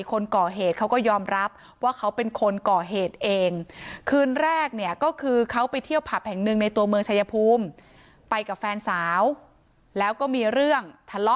คนก่อเหตุเขาก็ยอมรับว่าเขาเป็นคนก่อเหตุเอง